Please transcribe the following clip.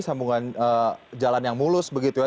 sambungan jalan yang mulus begitu ya